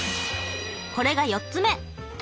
これが４つ目！